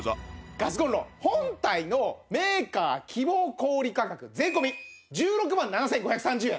ガスコンロ本体のメーカー希望小売価格税込１６万７５３０円。